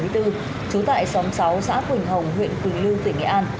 trú tại xóm sáu xã quỳnh hồng huyện quỳnh lưu tỉnh nghệ an